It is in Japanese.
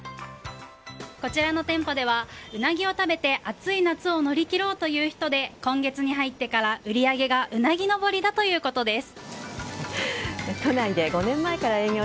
こちらの店舗ではウナギを食べて暑い夏を乗り切ろうという人で今月に入ってから売り上げがうなぎ上りだということです。